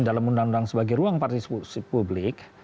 dalam undang undang sebagai ruang partisipasi publik